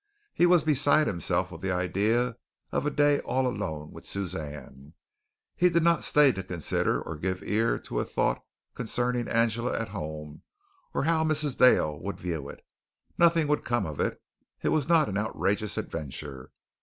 He was beside himself with the idea of a day all alone with Suzanne. He did not stay to consider or give ear to a thought concerning Angela at home or how Mrs. Dale would view it. Nothing would come of it. It was not an outrageous adventure.